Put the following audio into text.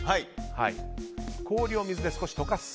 氷を水で少し溶かす。